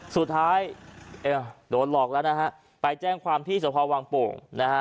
สุดท้ายโดนหลอกแล้วนะฮะไปแจ้งความที่สภวังโป่งนะฮะ